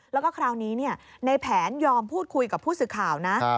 แล้วก็คราวนี้ในแผนยอมพูดคุยกับผู้สื่อข่าวนะ